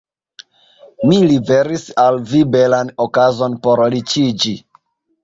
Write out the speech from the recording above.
Mi liveris al vi belan okazon por riĉiĝi.